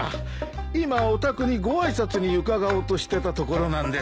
今お宅にご挨拶に伺おうとしてたところなんです。